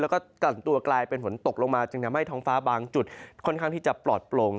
แล้วก็กลั่นตัวกลายเป็นฝนตกลงมาจึงทำให้ท้องฟ้าบางจุดค่อนข้างที่จะปลอดโปร่ง